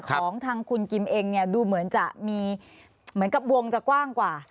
ของทางคุณกิมเองเนี่ยดูเหมือนจะมีเหมือนกับวงจะกว้างกว่า